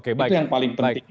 itu yang paling penting